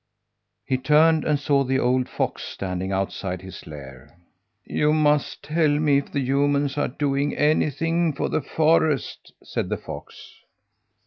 He turned and saw an old fox standing outside his lair. "You must tell me if the humans are doing anything for the forest," said the fox.